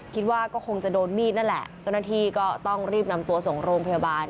คิดว่าก็คงจะโดนมีดนั่นแหละเจ้าหน้าที่ก็ต้องรีบนำตัวส่งโรงพยาบาล